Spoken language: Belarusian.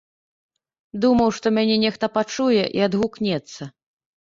Думаў, што мяне нехта пачуе і адгукнецца.